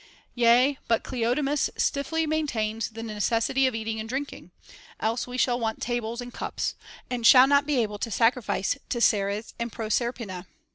Yea, but Cleodemus stiffly maintains the necessity of eating and drinking, else we shall want tables and cups, and shall not be able to sacrifice to Ceres and Proser pina.